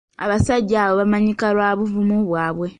Abasajja abo baamanyika lwa buvumu bwabwe.